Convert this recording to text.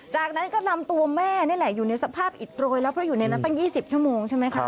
จากนั้นก็นำตัวแม่นี่แหละอยู่ในสภาพอิดโรยแล้วเพราะอยู่ในนั้นตั้ง๒๐ชั่วโมงใช่ไหมคะ